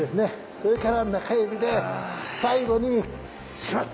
それから中指で最後にしまった！